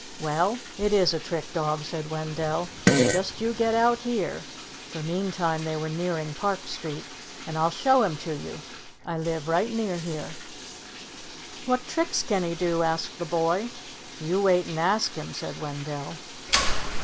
"Well, it is a trick dog," said Wendell. "Just you get out here," for meantime they were nearing Park Street, "and I'll show him to you. I live right near here." "What tricks can he do?" asked the boy. "You wait and ask him," said Wendell.